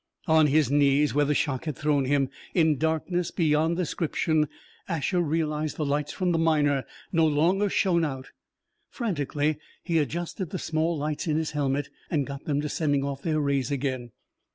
On his knees, where the shock had thrown him, in darkness beyond description, Asher realized the lights from the Miner no longer shone out. Frantically, he adjusted the small lights in his helmet and got them to sending off their rays again.